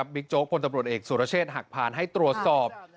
บิ๊กโจ๊กคนตำรวจเอกสุรเชษฐ์หักพานให้ตรวจสอบ